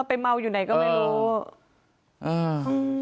ไปเมาอยู่ไหนก็ไม่รู้